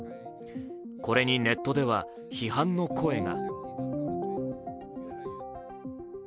これにネットでは批判の声が。